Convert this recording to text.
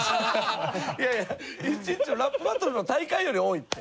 いやいや一日のラップバトルの大会より多いって。